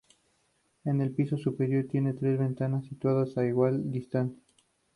En el piso superior tiene tres ventanas situadas a igual distancia.